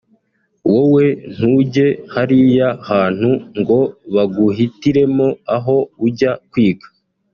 wowe ntujye hariya hantu ngo baguhitiremo aho ujya kwiga